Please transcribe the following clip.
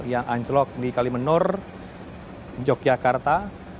yang anjlok di kalimenur yogyakarta